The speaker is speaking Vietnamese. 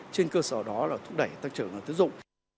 trên cơ sở đó là thúc đẩy tăng trưởng và tính dụng